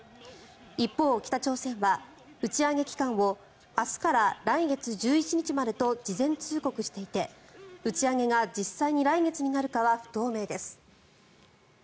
一方、北朝鮮は打ち上げ期間を明日から来月１１日までと事前通告していて打ち上げが実際に来月になるかは不透明です。